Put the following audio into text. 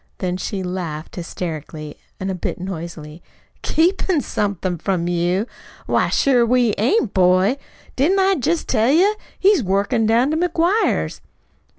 Then she laughed, hysterically, a bit noisily. "Keepin' somethin' from you? Why, sure we ain't, boy! Didn't I jest tell you? He's workin' down to McGuire's."